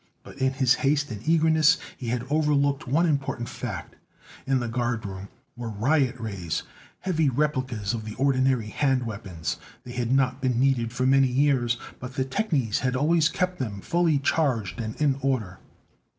But in his haste and eagerness he had overlooked one important fact. In the guardroom, were riot rays, heavy replicas of the ordinary hand weapons. They had not been needed for many years, but the technies had always kept them fully charged and in order.